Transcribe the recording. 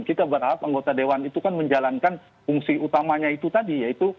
kita berharap anggota dewan itu kan menjalankan fungsi utamanya itu tadi yaitu